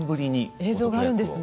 映像があるんですね。